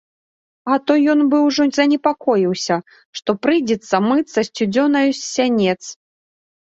А то ён быў ужо занепакоіўся, што прыйдзецца мыцца сцюдзёнаю з сянец.